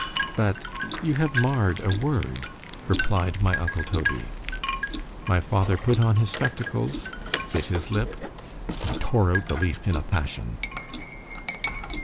——But you have marr'd a word, replied my uncle Toby.—My father put on his spectacles——bit his lip——and tore out the leaf in a passion.